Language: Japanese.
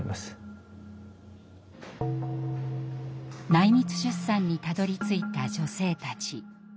内密出産にたどりついた女性たち。